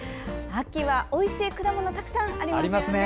秋は、おいしい果物たくさんありますよね。